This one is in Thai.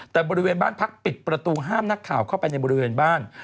แต่บริเวณบ้านพักปิดประตูห้ามนักข่าวเข้าไปในบริเวณบ้าน